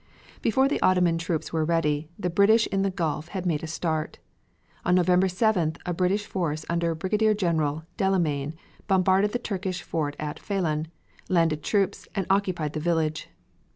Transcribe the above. Before the Ottoman troops were ready, the British in the Gulf had made a start. On November 7th a British force under Brigadier General Delamain bombarded the Turkish fort at Falon, landed troops and occupied the village.